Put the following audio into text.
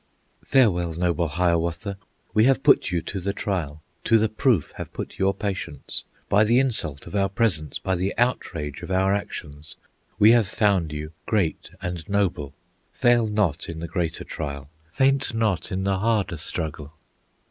"Farewell, noble Hiawatha! We have put you to the trial, To the proof have put your patience, By the insult of our presence, By the outrage of our actions. We have found you great and noble. Fail not in the greater trial, Faint not in the harder struggle."